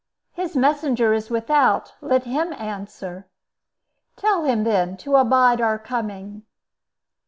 "His messenger is without; let him answer." "Tell him, then, to abide our coming."